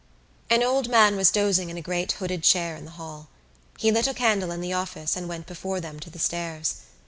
An old man was dozing in a great hooded chair in the hall. He lit a candle in the office and went before them to the stairs.